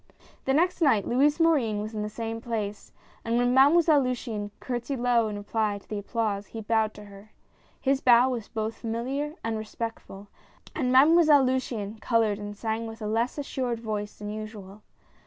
The next night Louis Morin was in the same place, and when Mademoiselle Luciane curtsied low in reply to the applause, he bowed to her. His bow was both familiar and respectful, and Mademoiselle Luciane col ored and sang with a less assured voice than usual.